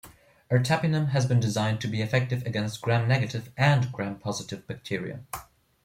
Ertapenem has been designed to be effective against Gram-negative and Gram-positive bacteria.